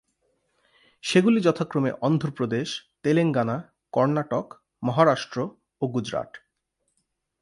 সেগুলি যথাক্রমে অন্ধ্রপ্রদেশ, তেলেঙ্গানা, কর্ণাটক, মহারাষ্ট্র ও গুজরাট।